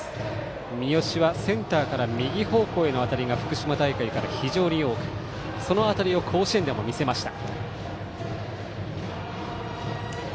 三好はセンターから右方向への当たりが福島大会から非常に多くその当たりを甲子園でも見せました。